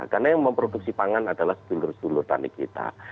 karena yang memproduksi pangan adalah sebulur sebulur tani kita